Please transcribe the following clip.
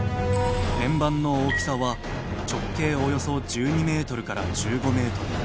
［円盤の大きさは直径およそ１２ｍから１５ｍ］